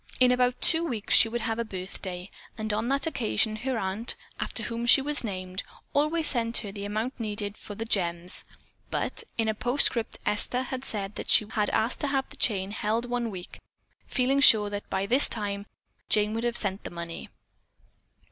In about two weeks she would have a birthday, and on that occasion her aunt, after whom she was named, always sent her the amount needed for the gems, but in a postscript Esther had said that she had asked to have the chain held one week, feeling sure that by that time Jane would have sent the money.